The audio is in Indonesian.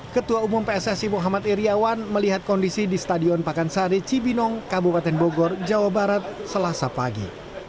ketua umum pssi muhammad iryawan melihat kondisi di stadion pakansari cibinong kabupaten bogor jawa barat selasa pagi